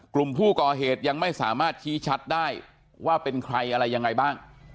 กลุ่มผู้ก่อเหตุยังไม่สามารถชี้ชัดได้ว่าเป็นใครอะไรยังไงบ้าง